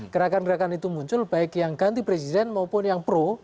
gerakan gerakan itu muncul baik yang ganti presiden maupun yang pro